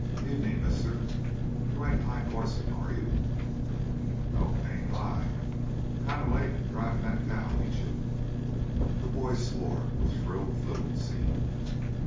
"Evening, mister. You ain't Hi Corson, are you?" "Nope, I ain't Hi. Kind of late driving that cow, ain't you?" The boy swore with shrill fluency.